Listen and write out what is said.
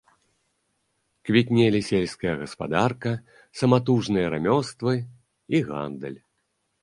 Квітнелі сельская гаспадарка, саматужныя рамёствы і гандаль.